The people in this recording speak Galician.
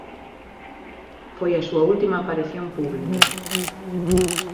Foi a súa última aparición pública.